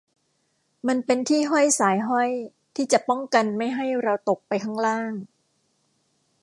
มันเป็นที่ห้อยสายห้อยที่จะป้องกันไม่ให้เราตกไปข้างล่าง